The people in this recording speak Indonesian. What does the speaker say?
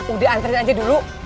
udah antrin aja dulu